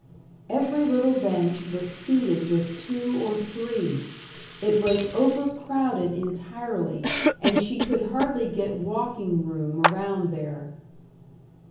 Every little bench was seated with two or three. It was over crowded entirely, and she could hardly get walking room around there.